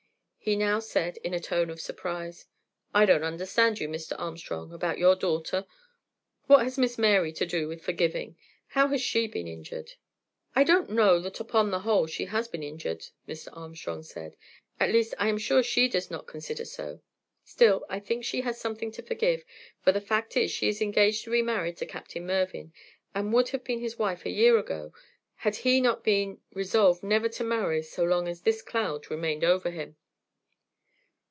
He now said in a tone of surprise: "I don't understand you, Mr. Armstrong, about your daughter. What has Miss Mary to do with forgiving? How has she been injured?" "I don't know that upon the whole she has been injured," Mr. Armstrong said. "At least, I am sure she does not consider so. Still, I think she has something to forgive, for the fact is she is engaged to be married to Captain Mervyn, and would have been his wife a year ago had he not been resolved never to marry so long as this cloud remained over him."